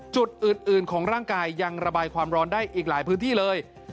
จุดอื่นของร่างกายยังระบายความร้อนได้อีกหลายพื้นที่เลย